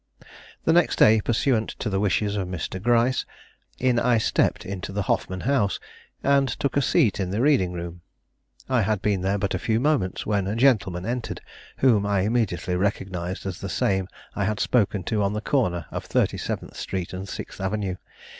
The next day, pursuant to the wishes of Mr. Gryce, in I stepped into the Hoffman House, and took a seat in the reading room. I had been there but a few moments when a gentleman entered whom I immediately recognized as the same I had spoken to on the corner of Thirty seventh Street and Sixth Avenue.